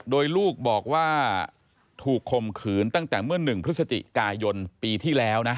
โดยลูกบอกว่าถูกคมขืนตั้งแต่เมื่อ๑พฤศจิกายนปีที่แล้วนะ